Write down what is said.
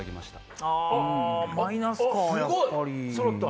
マイナスか。